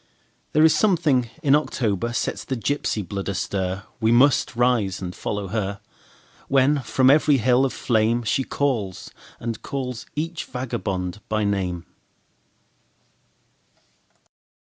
There is something in October sets the gypsy blood astir; We must rise and follow her, When from every hill of flameShe calls and calls each vagabond by name.